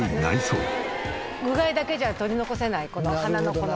うがいだけじゃ取り残せないこの鼻のこの。